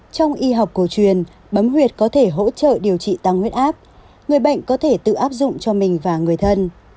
trong y học cổ truyền bấm huyệt có thể hỗ trợ điều trị tăng huyết áp người bệnh có thể tự áp dụng cho mình và người thân